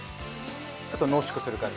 ちょっと濃縮する感じ。